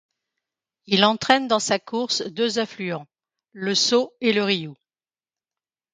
Il entraîne dans sa course deux affluents, le Sault et le Rioux.